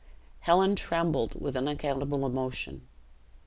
Helen trembled with unaccountable emotion.